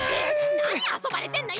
なにあそばれてんのよ！